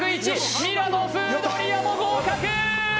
ミラノ風ドリアも合格！